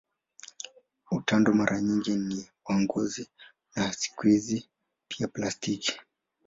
Utando mara nyingi ni wa ngozi na siku hizi pia plastiki.